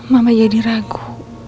mama jadi ragu